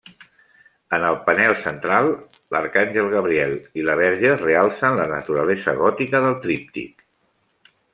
En el panel central, l'arcàngel Gabriel i la Verge realcen la naturalesa gòtica del tríptic.